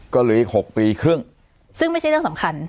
ก็เหลืออีก๖ปีครึ่งซึ่งไม่ใช่เรื่องสำคัญ